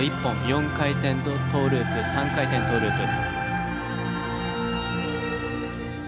４回転トーループ３回転トーループ。